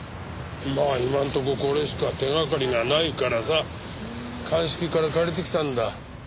まあ今のところこれしか手掛かりがないからさ鑑識から借りてきたんだ。